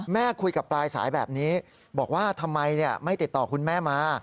คุยกับปลายสายแบบนี้บอกว่าทำไมไม่ติดต่อคุณแม่มา